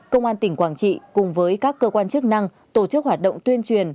công an tỉnh quảng trị cùng với các cơ quan chức năng tổ chức hoạt động tuyên truyền